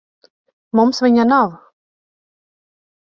Mums viņa nav.